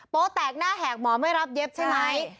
แตกหน้าแหกหมอไม่รับเย็บใช่ไหม